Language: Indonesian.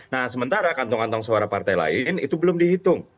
nah sementara kantong kantong suara partai lain itu belum dihitung